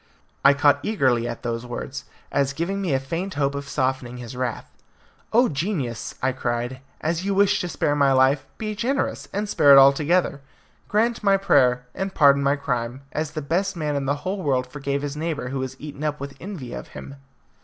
I caught eagerly at these words, as giving me a faint hope of softening his wrath. "O genius!" I cried, "as you wish to spare my life, be generous, and spare it altogether. Grant my prayer, and pardon my crime, as the best man in the whole world forgave his neighbour who was eaten up with envy of him."